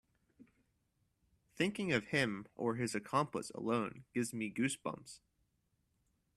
Thinking of him or his accomplice alone gives me goose bumps.